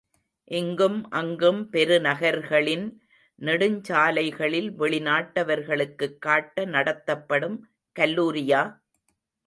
இங்கும் அங்கும் பெருநகர்களின் நெடுஞ்சாலைகளில் வெளி நாட்டவர்களுக்குக் காட்ட நடத்தப்படும் கல்லூரியா?